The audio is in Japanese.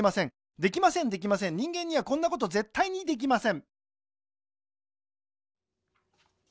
できませんできません人間にはこんなことぜったいにできません